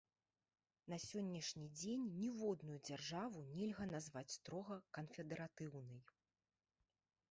На сённяшні дзень ніводную дзяржаву нельга назваць строга канфедэратыўнай.